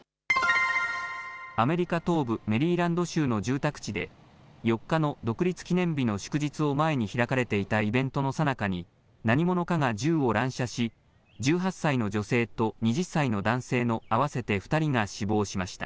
アメリカ東部メリーランド州の住宅地で４日の独立記念日の祝日を前に開かれていたイベントのさなかに何者かが銃を乱射し１８歳の女性と２０歳の男性の合わせて２人が死亡しました。